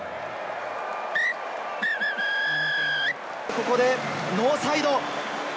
ここでノーサイド。